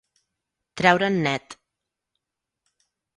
Treure en net.